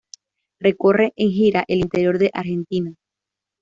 Recorre en gira el interior de Argentina.